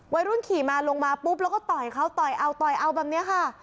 วัยรุ่นขี่มาลงมาปุ๊บแล้วก็ต่อยเขาต่อยเอาต่อยเอาแบบนี้ค่ะ